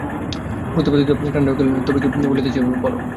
প্রতাপাদিত্য ঠাণ্ডা হইয়া কহিলেন, তবে কী বলিতেছিলে বলো।